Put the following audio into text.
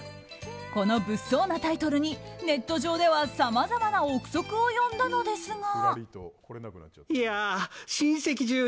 この物騒なタイトルにネット上ではさまざまな憶測を呼んだのですが。